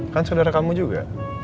kan saudara kamu juga